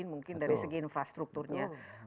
mungkin dari segi infrastrukturnya